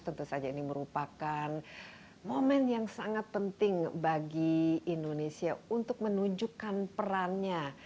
tentu saja ini merupakan momen yang sangat penting bagi indonesia untuk menunjukkan perannya